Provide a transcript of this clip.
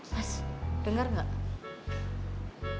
mas denger nggak